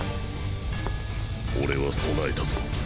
俺は備えたぞ。